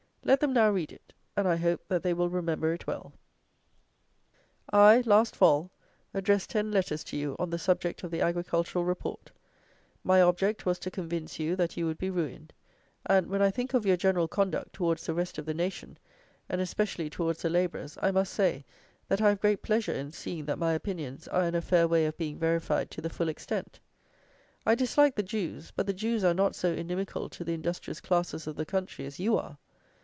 Let them now read it; and I hope, that they will remember it well. I, last fall, addressed ten letters to you on the subject of the Agricultural Report. My object was to convince you, that you would be ruined; and, when I think of your general conduct towards the rest of the nation, and especially towards the labourers, I must say that I have great pleasure in seeing that my opinions are in a fair way of being verified to the full extent. I dislike the Jews; but the Jews are not so inimical to the industrious classes of the country as you are.